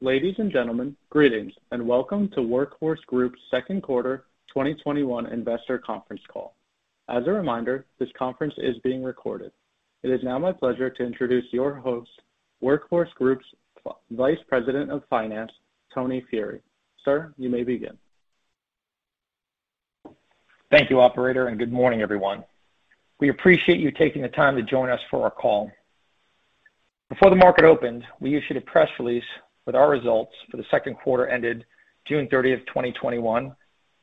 Ladies and gentlemen, greetings, and welcome to Workhorse Group's second quarter 2021 investor conference call. As a reminder, this conference is being recorded. It is now my pleasure to introduce your host, Workhorse Group's Vice President of Finance, Tony Furey. Sir, you may begin. Thank you, operator, and good morning, everyone. We appreciate you taking the time to join us for our call. Before the market opened, we issued a press release with our results for the second quarter ended June 30th, 2021,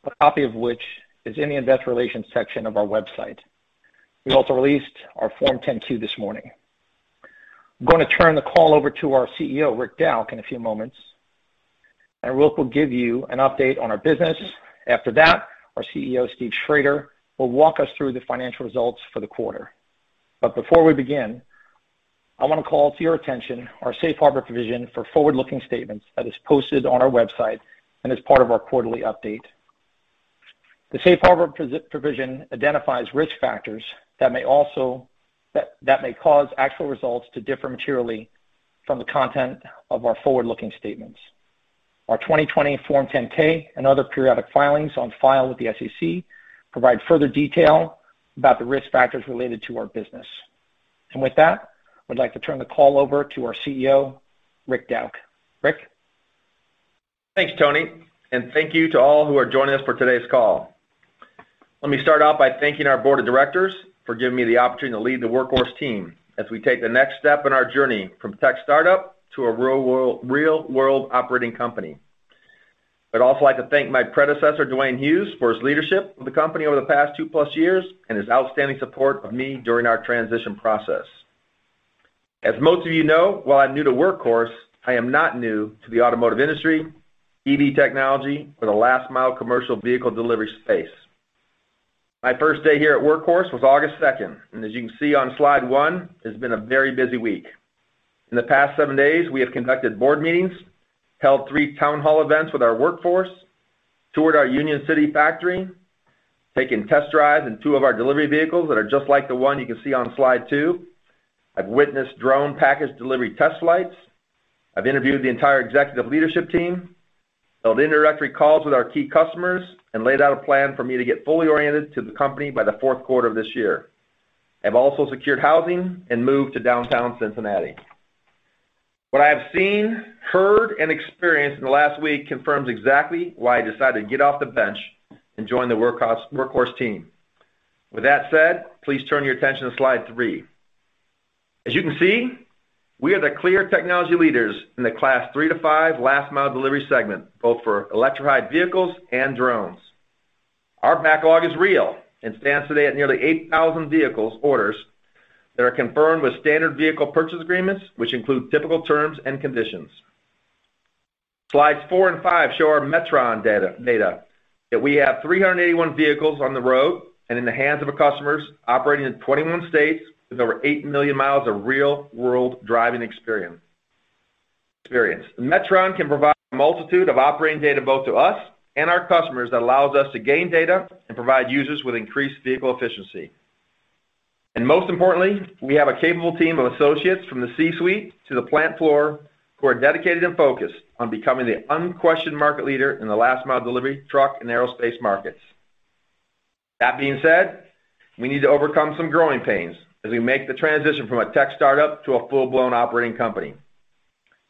a copy of which is in the investor relations section of our website. We also released our Form 10-Q this morning. I'm going to turn the call over to our CEO, Rick Dauch, in a few moments. Rick will give you an update on our business. After that, our CFO, Steve Schrader, will walk us through the financial results for the quarter. Before we begin, I want to call to your attention our safe harbor provision for forward-looking statements that is posted on our website and is part of our quarterly update. The safe harbor provision identifies risk factors that may cause actual results to differ materially from the content of our forward-looking statements. Our 2020 Form 10-K and other periodic filings on file with the SEC provide further detail about the risk factors related to our business. With that, I would like to turn the call over to our CEO, Rick Dauch. Rick? Thanks, Tony. Thank you to all who are joining us for today's call. Let me start out by thanking our board of directors for giving me the opportunity to lead the Workhorse team as we take the next step in our journey from tech startup to a real-world operating company. I'd also like to thank my predecessor, Duane Hughes, for his leadership of the company over the past two plus years and his outstanding support of me during our transition process. As most of you know, while I'm new to Workhorse, I am not new to the automotive industry, EV technology, or the last mile commercial vehicle delivery space. My first day here at Workhorse was August 2nd; as you can see on slide one, it's been a very busy week. In the past seven days, we have conducted board meetings, held three town hall events with our workforce, toured our Union City factory, taken test drives in two of our delivery vehicles that are just like the one you can see on slide two. I've witnessed drone package delivery test flights. I've interviewed the entire executive leadership team, held introductory calls with our key customers, and laid out a plan for me to get fully oriented to the company by the 4th quarter of this year. I've also secured housing and moved to downtown Cincinnati. What I have seen, heard, and experienced in the last week confirms exactly why I decided to get off the bench and join the Workhorse team. With that said, please turn your attention to slide three. As you can see, we are the clear technology leaders in the class three to five last mile delivery segment, both for electrified vehicles and drones. Our backlog is real and stands today at nearly 8,000 vehicles orders that are confirmed with standard vehicle purchase agreements, which include typical terms and conditions. Slides four and five show our Metron data, that we have 381 vehicles on the road and in the hands of our customers, operating in 21 states with over 8 million miles of real-world driving experience. Metron can provide a multitude of operating data both to us and our customers that allows us to gain data and provide users with increased vehicle efficiency. Most importantly, we have a capable team of associates from the C-suite to the plant floor who are dedicated and focused on becoming the unquestioned market leader in the last mile delivery truck and aerospace markets. That being said, we need to overcome some growing pains as we make the transition from a tech startup to a full-blown operating company.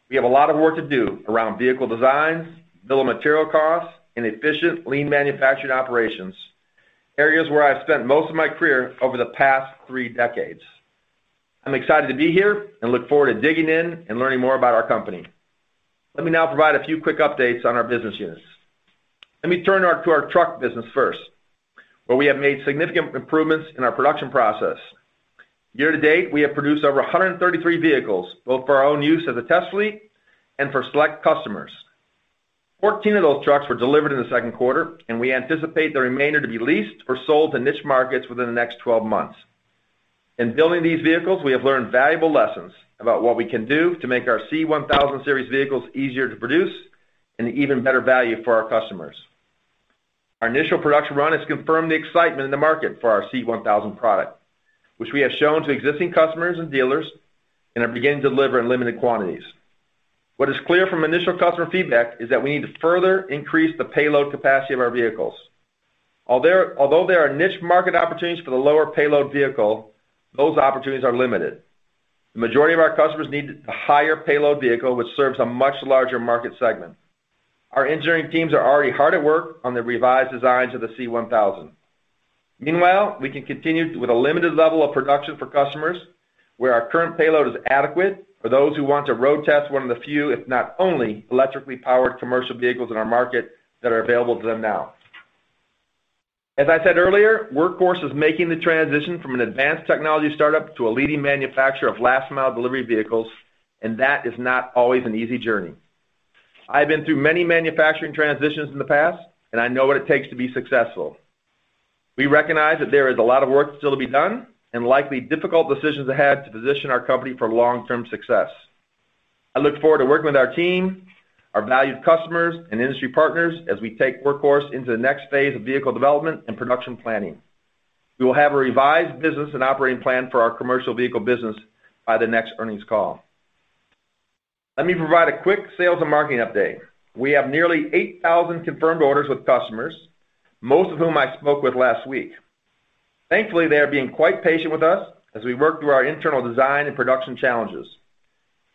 We have a lot of work to do around vehicle designs, bill of material costs, and efficient, lean manufacturing operations, areas where I have spent most of my career over the past three decades. I'm excited to be here and look forward to digging in and learning more about our company. Let me now provide a few quick updates on our business units. Let me turn to our truck business first, where we have made significant improvements in our production process. Year-to-date, we have produced over 133 vehicles, both for our own use as a test fleet and for select customers. 14 of those trucks were delivered in the second quarter, and we anticipate the remainder to be leased or sold to niche markets within the next 12 months. In building these vehicles, we have learned valuable lessons about what we can do to make our C-1000 series vehicles easier to produce and an even better value for our customers. Our initial production run has confirmed the excitement in the market for our C-1000 product, which we have shown to existing customers and dealers and are beginning to deliver in limited quantities. What is clear from initial customer feedback is that we need to further increase the payload capacity of our vehicles. Although there are niche market opportunities for the lower payload vehicle, those opportunities are limited. The majority of our customers need a higher payload vehicle, which serves a much larger market segment. Our engineering teams are already hard at work on the revised designs of the C-1000. Meanwhile, we can continue with a limited level of production for customers where our current payload is adequate for those who want to road test one of the few, if not only, electrically powered commercial vehicles in our market that are available to them now. As I said earlier, Workhorse is making the transition from an advanced technology startup to a leading manufacturer of last-mile delivery vehicles. That is not always an easy journey. I have been through many manufacturing transitions in the past. I know what it takes to be successful. We recognize that there is a lot of work still to be done and likely difficult decisions ahead to position our company for long-term success. I look forward to working with our team, our valued customers, and industry partners as we take Workhorse into the next phase of vehicle development and production planning. We will have a revised business and operating plan for our commercial vehicle business by the next earnings call. Let me provide a quick sales and marketing update. We have nearly 8,000 confirmed orders with customers, most of whom I spoke with last week. Thankfully, they are being quite patient with us as we work through our internal design and production challenges.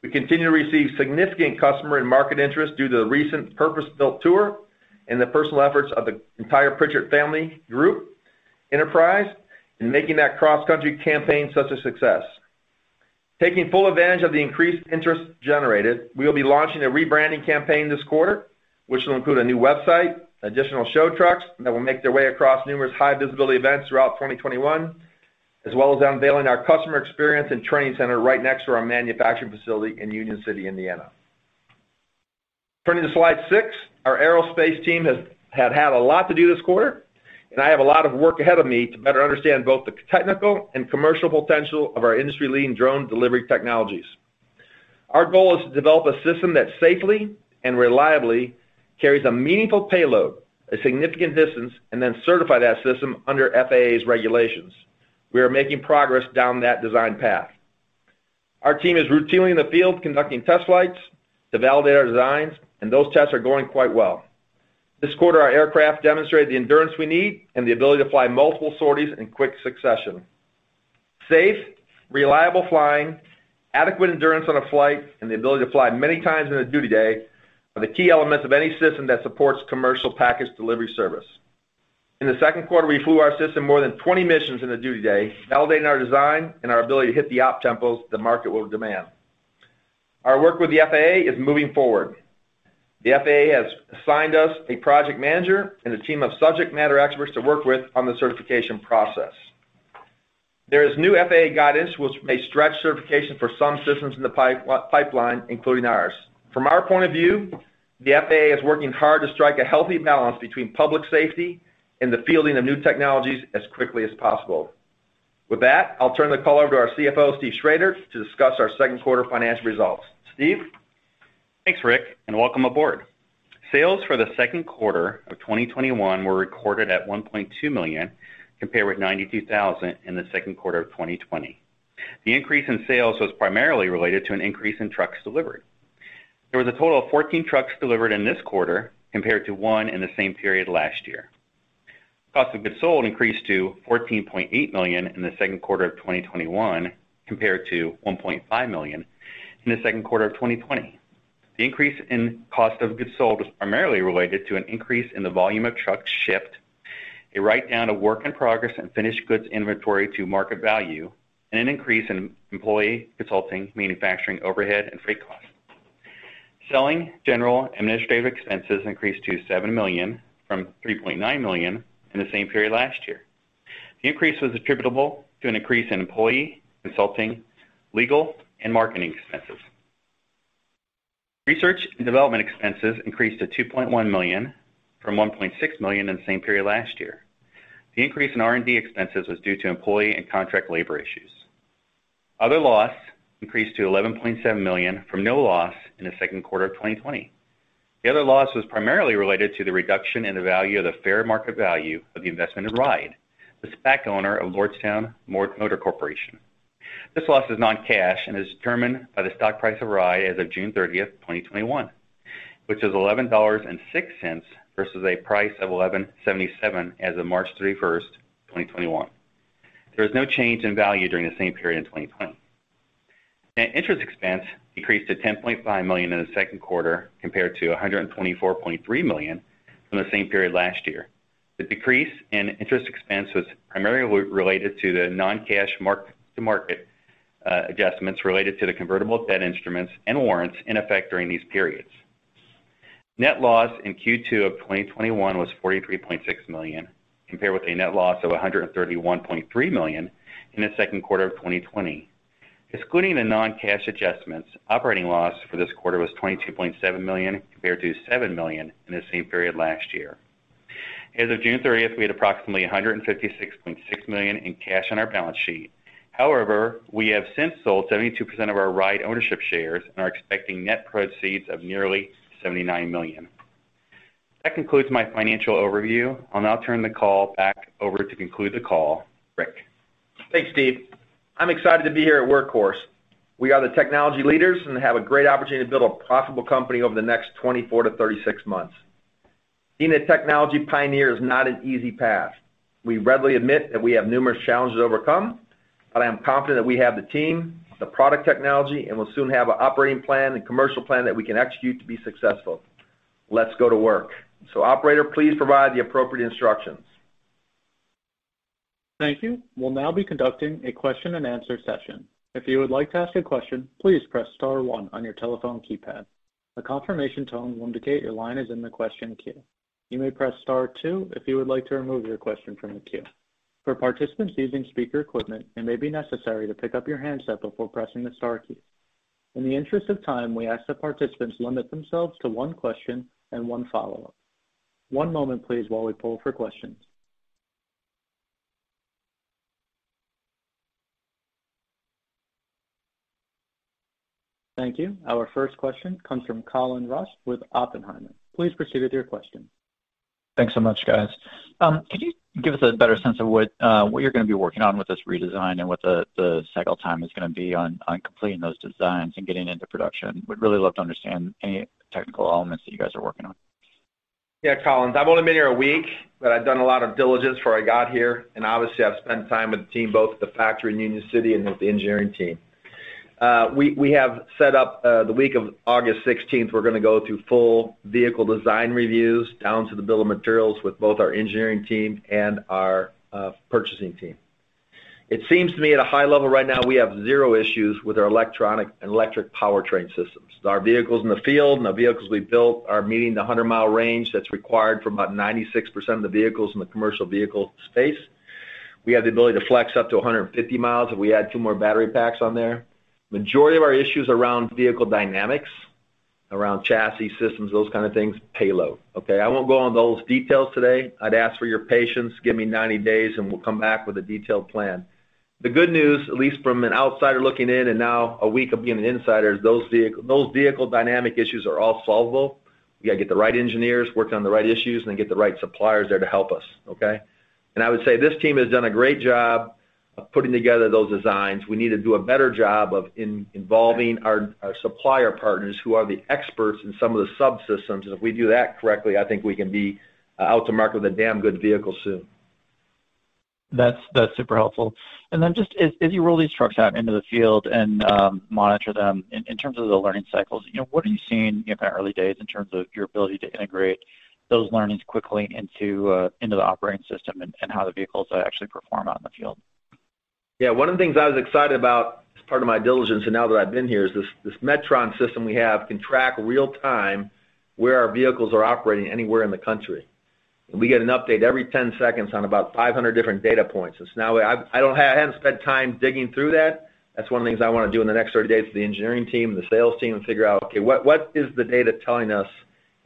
We continue to receive significant customer and market interest due to the recent Purpose-Built Tour and the personal efforts of the entire Pritchard Companies in making that cross-country campaign such a success. Taking full advantage of the increased interest generated, we will be launching a rebranding campaign this quarter, which will include a new website, additional show trucks that will make their way across numerous high-visibility events throughout 2021, as well as unveiling our customer experience and training center right next to our manufacturing facility in Union City, Indiana. Turning to slide six, our aerospace team has had a lot to do this quarter, and I have a lot of work ahead of me to better understand both the technical and commercial potential of our industry-leading drone delivery technologies. Our goal is to develop a system that safely and reliably carries a meaningful payload a significant distance and then certify that system under FAA's regulations. We are making progress down that design path. Our team is routinely in the field conducting test flights to validate our designs, and those tests are going quite well. This quarter, our aircraft demonstrated the endurance we need and the ability to fly multiple sorties in quick succession. Safe, reliable flying, adequate endurance on a flight, and the ability to fly many times in a duty day are the key elements of any system that supports commercial package delivery service. In the second quarter, we flew our system more than 20 missions in a duty day, validating our design and our ability to hit the op tempos the market will demand. Our work with the FAA is moving forward. The FAA has assigned us a project manager and a team of subject matter experts to work with on the certification process. There is new FAA guidance, which may stretch certification for some systems in the pipeline, including ours. From our point of view, the FAA is working hard to strike a healthy balance between public safety and the fielding of new technologies as quickly as possible. With that, I'll turn the call over to our CFO, Steve Schrader, to discuss our second quarter financial results. Steve? Thanks, Rick, and welcome aboard. Sales for the second quarter of 2021 were recorded at $1.2 million, compared with $92,000 in the second quarter of 2020. The increase in sales was primarily related to an increase in trucks delivered. There was a total of 14 trucks delivered in this quarter, compared to one in the same period last year. Cost of goods sold increased to $14.8 million in the second quarter of 2021, compared to $1.5 million in the second quarter of 2020. The increase in cost of goods sold was primarily related to an increase in the volume of trucks shipped, a write-down of work in progress and finished goods inventory to market value, and an increase in employee consulting, manufacturing overhead, and freight costs. Selling, general, and administrative expenses increased to $7 million from $3.9 million in the same period last year. The increase was attributable to an increase in employee, consulting, legal, and marketing expenses. Research and development expenses increased to $2.1 million from $1.6 million in the same period last year. The increase in R&D expenses was due to employee and contract labor issues. Other loss increased to $11.7 million from no loss in the second quarter of 2020. The other loss was primarily related to the reduction in the value of the fair market value of the investment in RIDE, the SPAC owner of Lordstown Motors Corp. This loss is non-cash and is determined by the stock price of RIDE as of June 30th, 2021, which is $11.06 versus a price of $11.77 as of March 31st, 2021. There was no change in value during the same period in 2020. Net interest expense decreased to $10.5 million in the second quarter compared to $124.3 million from the same period last year. The decrease in interest expense was primarily related to the non-cash mark-to-market adjustments related to the convertible debt instruments and warrants in effect during these periods. Net loss in Q2 of 2021 was $43.6 million, compared with a net loss of $131.3 million in the second quarter of 2020. Excluding the non-cash adjustments, operating loss for this quarter was $22.7 million, compared to $7 million in the same period last year. As of June 30th, we had approximately $156.6 million in cash on our balance sheet. We have since sold 72% of our RIDE ownership shares and are expecting net proceeds of nearly $79 million. That concludes my financial overview. I'll now turn the call back over to conclude the call, Rick. Thanks, Steve. I'm excited to be here at Workhorse. We are the technology leaders and have a great opportunity to build a profitable company over the next 24 to 36 months. Being a technology pioneer is not an easy path. We readily admit that we have numerous challenges to overcome, but I am confident that we have the team, the product technology, and will soon have an operating plan and commercial plan that we can execute to be successful. Let's go to work. Operator, please provide the appropriate instructions. Thank you. We'll now be conducting a question-and-answer session. If you would like to ask a question, please press star one on your telephone keypad. A confirmation tone will indicate your line is in the question queue. You may press star two if you would like to remove your question from the queue. For participants using speaker equipment, it may be necessary to pick up your handset before pressing the star key. In the interest of time, we ask that participants limit themselves to one question and one follow-up. One moment, please, while we poll for questions. Thank you. Our first question comes from Colin Rusch with Oppenheimer. Please proceed with your question. Thanks so much, guys. Could you give us a better sense of what you're going to be working on with this redesign and what the cycle time is going to be on completing those designs and getting into production? Would really love to understand any technical elements that you guys are working on. Colin, I've only been here a week, but I'd done a lot of diligence before I got here, and obviously I've spent time with the team, both at the factory in Union City and with the engineering team. We have set up the week of August 16th; we're going to go through full vehicle design reviews, down to the bill of materials with both our engineering team and our purchasing team. It seems to me at a high level right now we have zero issues with our electronic and electric powertrain systems. Our vehicles in the field and the vehicles we've built are meeting the 100-mile range that's required for about 96% of the vehicles in the commercial vehicle space. We have the ability to flex up to two more battery packs on there. Majority of our issue is around vehicle dynamics, around chassis systems, those kinds of things, payload. Okay, I won't go on those details today. I'd ask for your patience. Give me 90 days; we'll come back with a detailed plan. The good news, at least from an outsider looking in and now a week of being an insider, is those vehicle dynamic issues are all solvable. We got to get the right engineers working on the right issues and then get the right suppliers there to help us, okay? I would say this team has done a great job of putting together those designs. We need to do a better job of involving our supplier partners who are the experts in some of the subsystems. If we do that correctly, I think we can be out to market with a damn good vehicle soon. That's super helpful. Just as you roll these trucks out into the field and monitor them in terms of the learning cycles, what are you seeing in the early days in terms of your ability to integrate those learnings quickly into the operating system and how the vehicles actually perform out in the field? Yeah, one of the things I was excited about as part of my diligence, and now that I've been here, is this Metron system we have can track real time where our vehicles are operating anywhere in the country. We get an update every 10 seconds on about 500 different data points. I haven't spent time digging through that. That's one of the things I want to do in the next 30 days with the engineering team and the sales team and figure out, okay, what is the data telling us,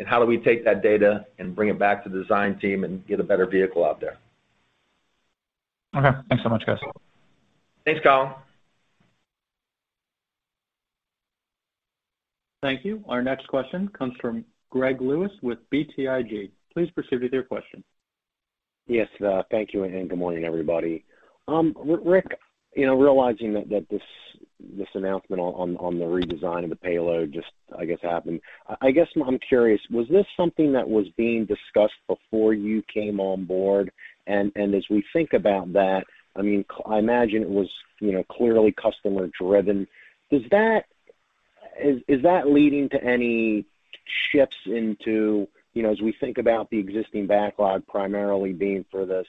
and how do we take that data and bring it back to the design team and get a better vehicle out there? Okay. Thanks so much, guys. Thanks, Colin. Thank you. Our next question comes from Greg Lewis with BTIG. Please proceed with your question. Yes. Thank you and good morning, everybody. Rick, realizing that this announcement on the redesign of the payload just, I guess, happened, I guess I'm curious, was this something that was being discussed before you came on board? As we think about that, I imagine it was clearly customer driven. Is that leading to any shifts into as we think about the existing backlog primarily being for the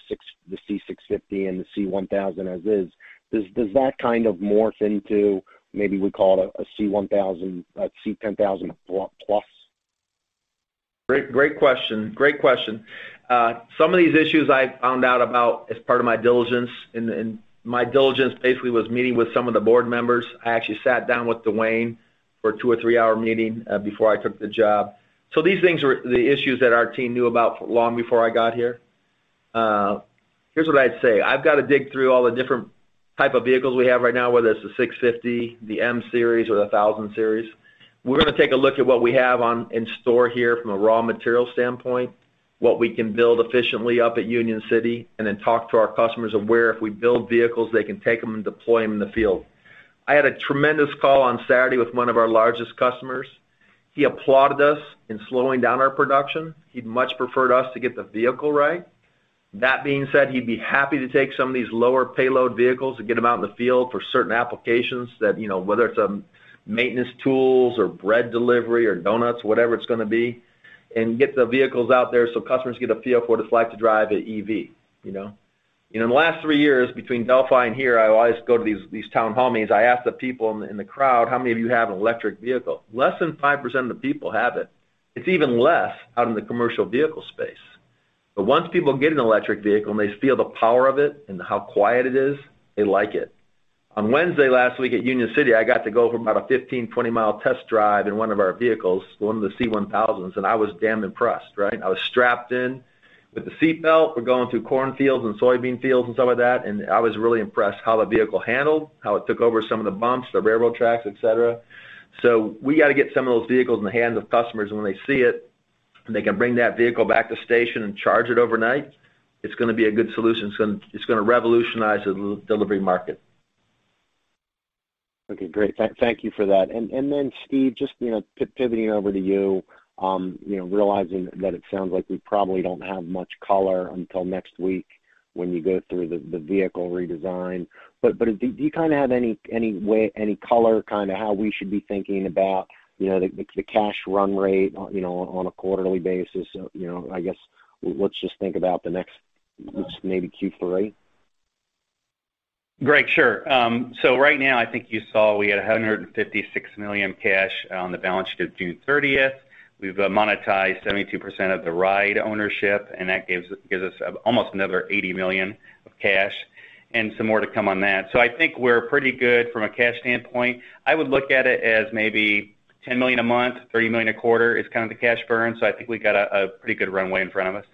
C650 and the C-1000 as is, does that kind of morph into maybe we call it a C-1000, a C-1000 plus? Great question. Some of these issues I found out about as part of my diligence, and my diligence basically was meeting with some of the board members. I actually sat down with Duane for a two or three-hour meeting before I took the job. These things were the issues that our team knew about long before I got here. Here's what I'd say. I've got to dig through all the different types of vehicles we have right now, whether it's the 650, the N-Series, or the 1000 Series. We're going to take a look at what we have in store here from a raw material standpoint, what we can build efficiently up at Union City, and then talk to our customers of where if we build vehicles, they can take them and deploy them in the field. I had a tremendous call on Saturday with one of our largest customers. He applauded us in slowing down our production. He'd much prefer us to get the vehicle right. That being said, he'd be happy to take some of these lower payload vehicles and get them out in the field for certain applications that, whether it's maintenance tools or bread delivery or donuts, whatever it's going to be, and get the vehicles out there so customers can get a feel for what it's like to drive an EV. In the last three years, between Delphi and here, I always go to these town hall meetings. I ask the people in the crowd, "How many of you have an electric vehicle?" Less than 5% of the people have it. It's even less out in the commercial vehicle space. Once people get an electric vehicle and they feel the power of it and how quiet it is, they like it. On Wednesday last week at Union City, I got to go for about a 15, 20-mile test drive in one of our vehicles, one of the C-1000s, and I was damn impressed, right? I was strapped in with the seat belt. We're going through cornfields and soybean fields and some of that, and I was really impressed how the vehicle handled, how it took over some of the bumps, the railroad tracks, et cetera. We got to get some of those vehicles in the hands of customers, and when they see it and they can bring that vehicle back to station and charge it overnight, it's going to be a good solution. It's going to revolutionize the delivery market. Okay, great. Thank you for that. Steve, just pivoting over to you, realizing that it sounds like we probably don't have much color until next week when you go through the vehicle redesign, but do you have any color on how we should be thinking about the cash run rate on a quarterly basis? I guess let's just think about the next, maybe Q3. Greg, sure. Right now, I think you saw we had $156 million cash on the balance sheet of June 30th. We've monetized 72% of the RIDE ownership, and that gives us almost another $80 million of cash and some more to come on that. I think we're pretty good from a cash standpoint. I would look at it as maybe $10 million a month, $30 million a quarter is the cash burn. I think we got a pretty good runway in front of us.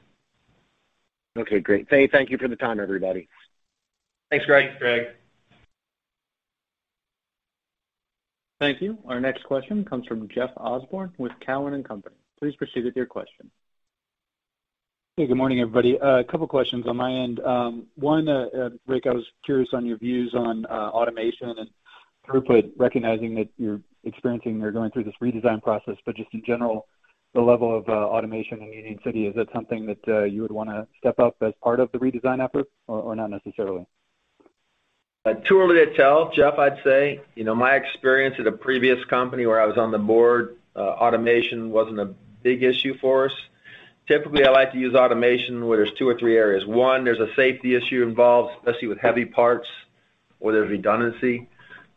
Okay, great. Thank you for the time, everybody. Thanks, Greg. Thank you. Our next question comes from Jeff Osborne with Cowen and Company. Please proceed with your question. Hey, good morning, everybody. A couple questions on my end. One, Rick, I was curious on your views on automation and throughput, recognizing that you're experiencing or going through this redesign process; just in general, the level of automation in Union City, is that something that you would want to step up as part of the redesign effort, or not necessarily? Too early to tell, Jeff, I'd say. My experience at a previous company where I was on the board, automation wasn't a big issue for us. Typically, I like to use automation where there's two or three areas. One, there's a safety issue involved, especially with heavy parts where there's redundancy.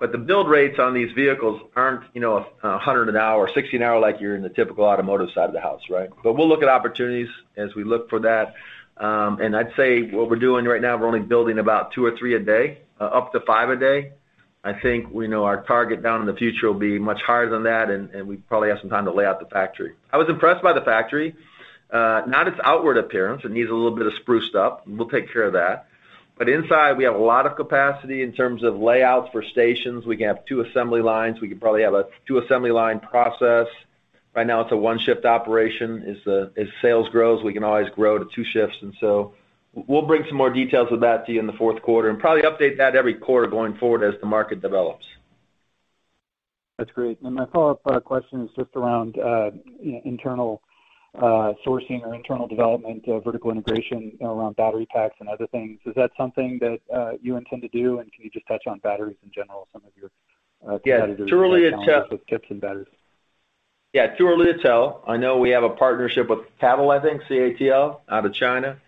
The build rates on these vehicles aren't 100 an hour, 60 an hour like you're in the typical automotive side of the house, right? We'll look at opportunities as we look for that. I'd say what we're doing right now, we're only building about two or three a day, up to five a day. I think we know our target down in the future will be much higher than that, and we probably have some time to lay out the factory. I was impressed by the factory, not its outward appearance. It needs a little bit of spruced up. We'll take care of that. Inside, we have a lot of capacity in terms of layouts for stations. We can have two assembly lines. We could probably have a two-assembly-line process. Right now it's a one-shift operation. As sales grow, we can always grow to two shifts. We'll bring some more details of that to you in the fourth quarter and probably update that every quarter going forward as the market develops. That's great. My follow-up question is just around internal sourcing or internal development, vertical integration around battery packs, and other things. Is that something that you intend to do, and can you just touch on batteries in general and some of your competitors? Yeah, too early to tell. with chips and batteries? Yeah, too early to tell. I know we have a partnership with CATL, I think, C-A-T-L, out of China.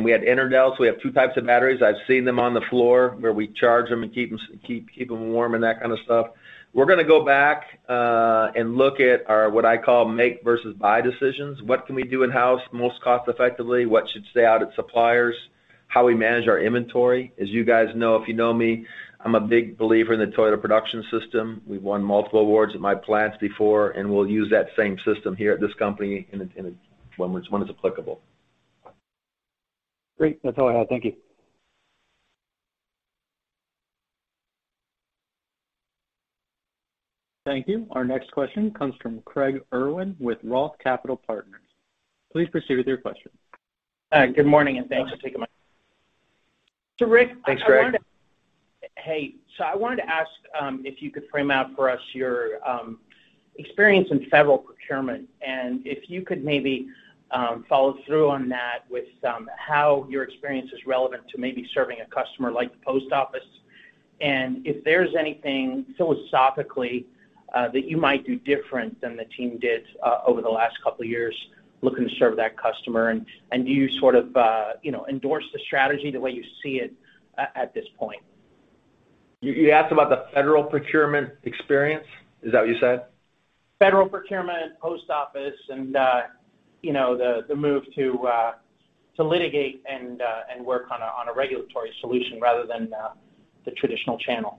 We had EnerDel, so we have two types of batteries. I've seen them on the floor where we charge them and keep them warm and that kind of stuff. We're going to go back and look at our, what I call make versus buy decisions. What can we do in-house most cost effectively? What should stay out at suppliers? How we manage our inventory. As you guys know, if you know me, I'm a big believer in the Toyota Production System. We've won multiple awards at my plants before, and we'll use that same system here at this company when it's applicable. Great. That's all I have. Thank you. Thank you. Our next question comes from Craig Irwin with Roth Capital Partners. Please proceed with your question. Good morning, and thanks for taking my. Thanks, Craig. Hey. I wanted to ask if you could frame out for us your experience in federal procurement and if you could maybe follow through on that with how your experience is relevant to maybe serving a customer like the post office and if there's anything philosophically that you might do different than the team did over the last couple of years looking to serve that customer. Do you sort of endorse the strategy the way you see it at this point? You asked about the federal procurement experience, is that what you said? Federal procurement, post office, and the move to litigate and work on a regulatory solution rather than the traditional channel.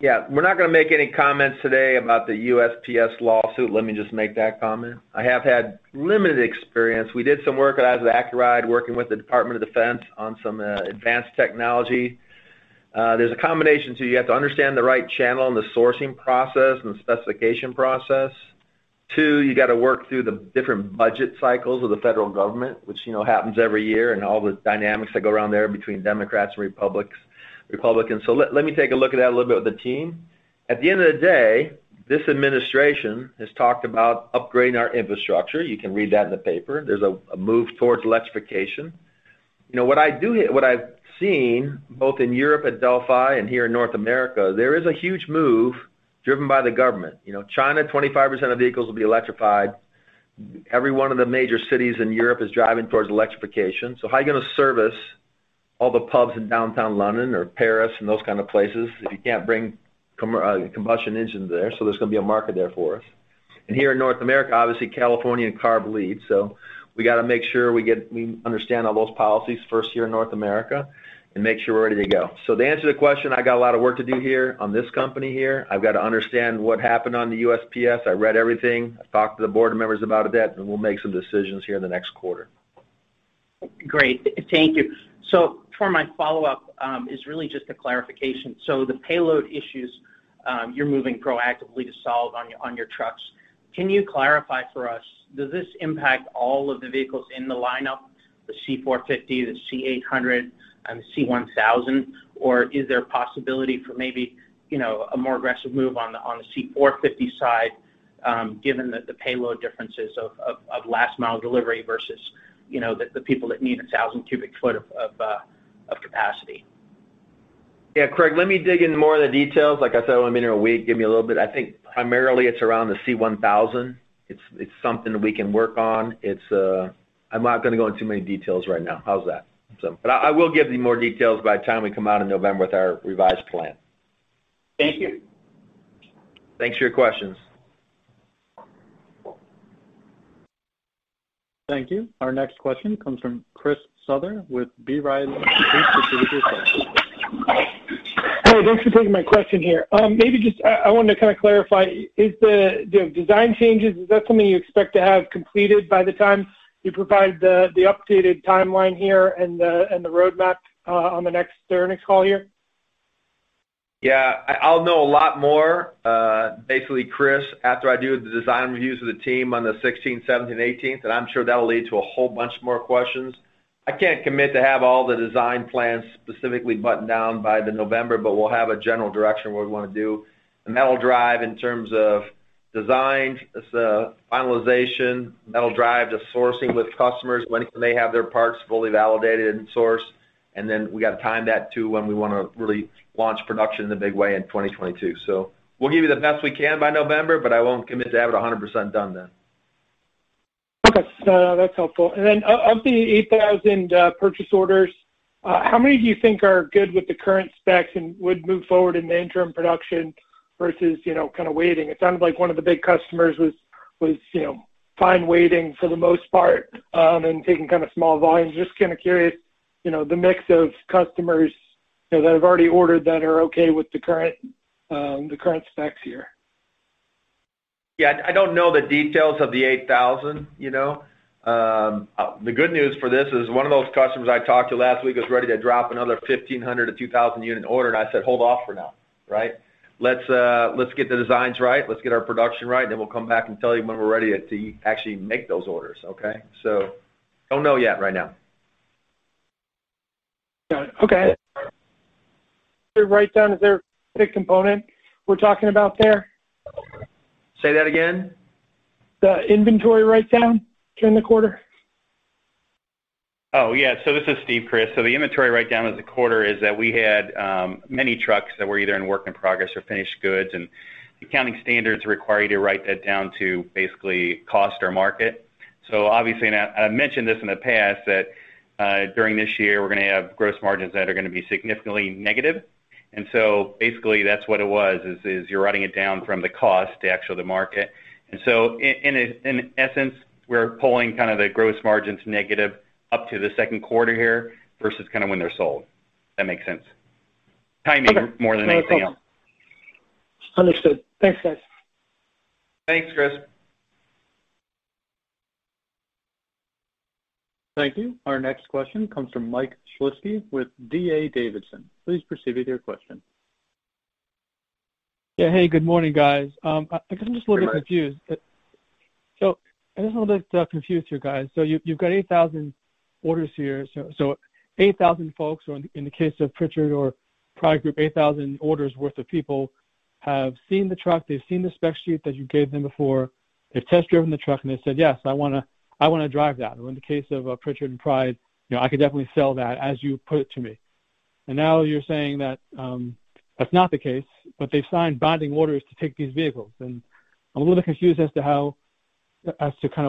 We're not going to make any comments today about the USPS lawsuit; let me just make that comment. I have had limited experience. We did some work out of Accuride working with the Department of Defense on some advanced technology. There's a combination, too. You have to understand the right channel and the sourcing process and the specification process. Two, you got to work through the different budget cycles of the federal government, which happens every year, and all the dynamics that go around there between Democrats and Republicans. Let me take a look at that a little bit with the team. At the end of the day, this administration has talked about upgrading our infrastructure. You can read that in the paper. There's a move towards electrification. What I've seen, both in Europe at Delphi and here in North America, there is a huge move driven by the government. China, 25% of vehicles will be electrified. Every one of the major cities in Europe is driving towards electrification. How are you going to service all the pubs in downtown London or Paris and those kinds of places if you can't bring combustion engines there? There's going to be a market there for us. Here in North America, obviously California and CARB lead. We got to make sure we understand all those policies first here in North America and make sure we're ready to go. To answer the question, I got a lot of work to do here on this company here. I've got to understand what happened on the USPS. I read everything. I talked to the board members about that. We'll make some decisions here in the next quarter. Great. Thank you. For my follow-up is really just a clarification. The payload issues you're moving proactively to solve on your trucks, can you clarify for us, does this impact all of the vehicles in the lineup, the C450, the C800, and the C-1000? Is there a possibility for maybe a more aggressive move on the C450 side given the payload differences of last-mile delivery versus the people that need 1,000 cubic foot of capacity? Craig, let me dig into more of the details. Like I said, I've only been here a week; give me a little bit. I think primarily it's around the C-1000. It's something that we can work on. I'm not going to go into too many details right now. How's that? I will give you more details by the time we come out in November with our revised plan. Thank you. Thanks for your questions. Thank you. Our next question comes from Chris Souther with B. Riley. Please proceed with your question. Hey, thanks for taking my question here. Maybe just, I wanted to kind of clarify, the design changes, is that something you expect to have completed by the time you provide the updated timeline here and the roadmap on the next earnings call here? I'll know a lot more, basically, Chris, after I do the design reviews with the team on the 16th, 17th, and 18th, and I'm sure that'll lead to a whole bunch more questions. I can't commit to have all the design plans specifically buttoned down by November, but we'll have a general direction of what we want to do. That'll drive in terms of design, the finalization. That'll drive the sourcing with customers when they have their parts fully validated and sourced. We got to time that to when we want to really launch production in a big way in 2022. We'll give you the best we can by November, but I won't commit to have it 100% done then. Okay. No, that's helpful. Of the 8,000 purchase orders, how many do you think are good with the current specs and would move forward in the interim production versus kind of waiting? It sounded like one of the big customers was fine waiting for the most part and taking kind of small volumes. Just kind of curious, the mix of customers that have already ordered that are okay with the current specs here. I don't know the details of the 8,000. The good news for this is one of those customers I talked to last week was ready to drop another 1,500 to 2,000 unit order. I said, "Hold off for now." Right? "Let's get the designs right. Let's get our production right. We'll come back and tell you when we're ready to actually make those orders, okay?" Don't know yet right now. Got it. Okay. The write-down, is there a big component we're talking about there? Say that again? The inventory write-down during the quarter. Oh, yeah. This is Steve, Chris. The inventory write-down of the quarter is that we had many trucks that were either in work in progress or finished goods, and accounting standards require you to write that down to basically cost or market. Obviously, and I've mentioned this in the past, that during this year, we're going to have gross margins that are going to be significantly negative. Basically, that's what it was, is you're writing it down from the cost to actually the market. In essence, we're pulling kind of the gross margins negative up to the second quarter here versus when they're sold, if that makes sense. Timing more than anything else. Understood. Thanks, guys. Thanks, Chris. Thank you. Our next question comes from Mike Shlisky with D.A. Davidson. Please proceed with your question. Hey, good morning, guys. Good morning. I'm just a little bit confused here, guys. You've got 8,000 orders here. 8,000 folks, or in the case of Pritchard or Pride Group, 8,000 orders worth of people have seen the truck; they've seen the spec sheet that you gave them before. They've test-driven the truck, and they said, "Yes, I want to drive that." Or in the case of Pritchard and Pride, "I can definitely sell that as you put it to me." Now you're saying that that's not the case, but they've signed binding orders to take these vehicles. I'm a little bit confused as to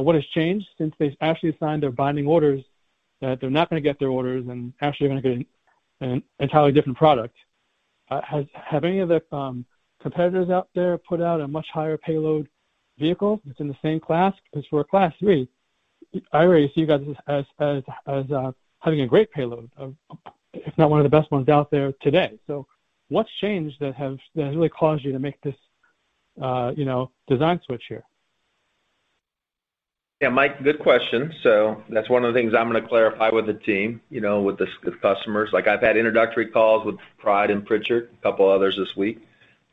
what has changed since they actually signed their binding orders, that they're not going to get their orders and actually are going to get an entirely different product. Have any of the competitors out there put out a much higher payload vehicle that's in the same class? Because we're a class three. I already see you guys as having a great payload, if not one of the best ones out there today. What's changed that has really caused you to make this design switch here? Mike, good question. That's one of the things I'm going to clarify with the team, with the customers. I've had introductory calls with Pride and Pritchard, a couple of others this week.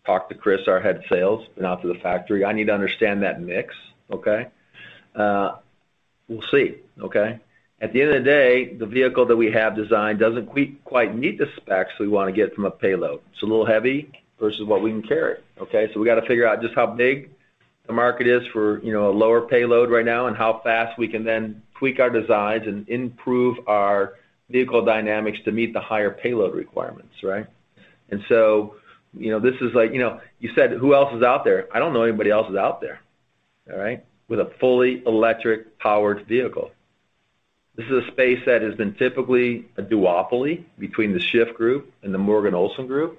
Talked to Chris, our head of sales, been out to the factory. I need to understand that mix, okay? We'll see, okay? At the end of the day, the vehicle that we have designed doesn't quite meet the specs we want to get from a payload. It's a little heavy versus what we can carry, okay? We got to figure out just how big the market is for a lower payload right now, and how fast we can then tweak our designs and improve our vehicle dynamics to meet the higher payload requirements, right? You said, "Who else is out there?" I don't know anybody else is out there, all right, with a fully electric-powered vehicle. This is a space that has been typically a duopoly between the Shyft Group and the Morgan Olson group,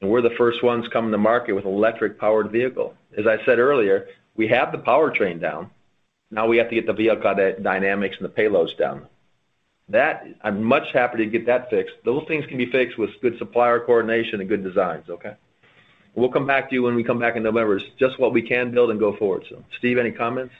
and we're the first ones coming to market with an electric-powered vehicle. As I said earlier, we have the powertrain down. Now we have to get the vehicle dynamics and the payloads down. That, I'm much happier to get that fixed. Those things can be fixed with good supplier coordination and good designs, okay? We'll come back to you when we come back in November. It's just what we can build and go forward. Steve, any comments?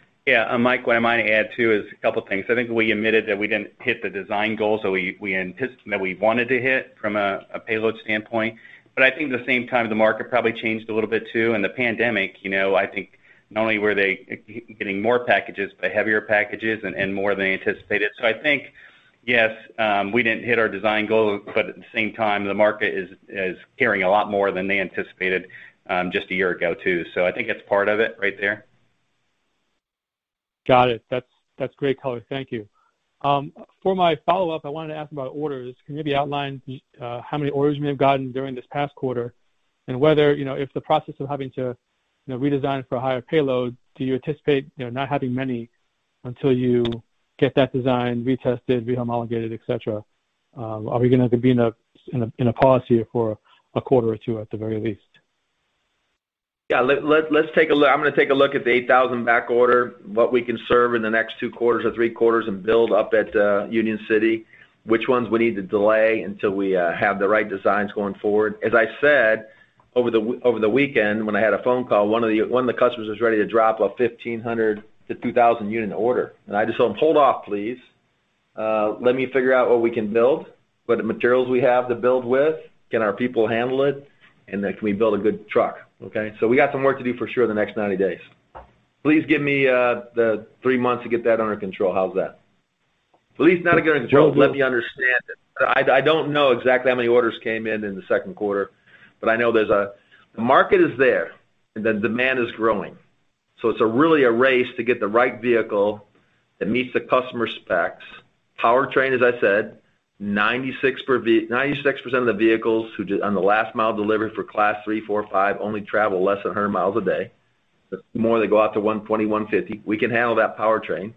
Mike, what I might add, too, is a couple of things. I think we admitted that we didn't hit the design goals that we anticipated that we wanted to hit from a payload standpoint. I think at the same time, the market probably changed a little bit, too. The pandemic, I think, not only were they getting more packages, but heavier packages and more than they anticipated. I think, yes, we didn't hit our design goal, but at the same time, the market is carrying a lot more than they anticipated just a year ago, too. I think that's part of it right there. Got it. That's a great color. Thank you. For my follow-up, I wanted to ask about orders. Can you maybe outline how many orders you may have gotten during this past quarter and whether, if the process of having to redesign for a higher payload, do you anticipate not having many until you get that design retested, re-homologated, et cetera? Are we going to be in a pause here for a quarter or two at the very least? I'm going to take a look at the 8,000 back orders, what we can serve in the next two quarters or three quarters and build up at Union City, which ones we need to delay until we have the right designs going forward. As I said over the weekend when I had a phone call, one of the customers was ready to drop a 1,500-2,000 unit order. I just told him, "Hold off, please." Let me figure out what we can build, what materials we have to build with, can our people handle it, and then can we build a good truck?" Okay. We got some work to do for sure in the next 90 days. Please give me the three months to get that under control. How's that? Joe, let me understand it. I don't know exactly how many orders came in in the second quarter, but I know the market is there and the demand is growing. It's really a race to get the right vehicle that meets the customer specs. Powertrain, as I said, 96% of the vehicles on the last mile delivery for class three, four, five only travel less than 100 miles a day. The more they go out to 120, 150, we can handle that powertrain.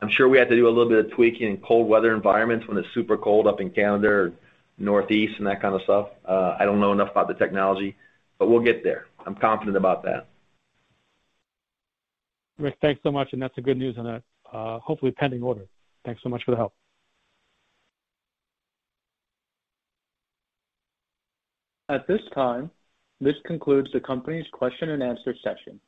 I'm sure we have to do a little bit of tweaking in cold weather environments when it's super cold up in Canada or Northeast and that kind of stuff. I don't know enough about the technology, but we'll get there. I'm confident about that. Rick, thanks so much, and that's a good news on that, hopefully pending order. Thanks so much for the help. At this time, this concludes the company's question-and-answer session.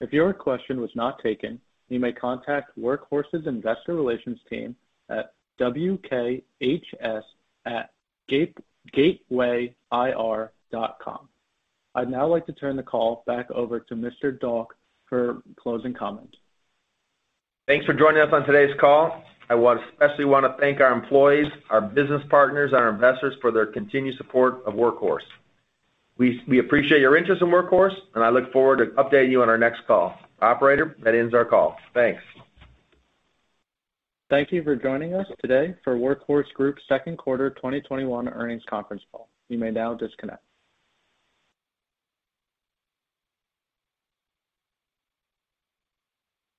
If your question was not taken, you may contact Workhorse's investor relations team at wkhs@gatewayir.com. I'd now like to turn the call back over to Mr. Dauch for closing comments. Thanks for joining us on today's call. I especially want to thank our employees, our business partners, and our investors for their continued support of Workhorse. We appreciate your interest in Workhorse, and I look forward to updating you on our next call. Operator, that ends our call. Thanks. Thank you for joining us today for Workhorse Group's second quarter 2021 earnings conference call. You may now disconnect.